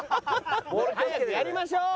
早くやりましょう。